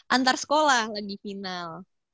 antar sekolah lagi final